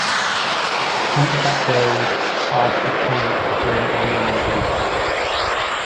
Humpback whales pass the point during annual migrations.